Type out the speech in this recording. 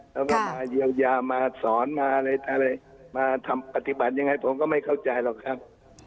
แล้วก็มาเยียวยามาสอนมาอะไรมาทำปฏิบัติยังไงผมก็ไม่เข้าใจหรอกครับ